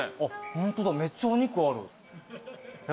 ホントだめっちゃお肉ある。